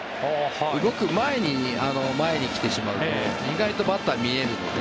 動く前に、前に来てしまうと意外とバッター、見えるので。